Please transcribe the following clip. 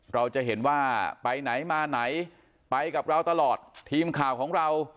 เราจะเห็นว่าไปไหนมาไหนไปกับเราตลอดทีมข่าวของเรา